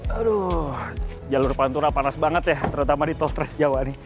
aduh jalur pantunak panas banget ya terutama di tol transjawa ini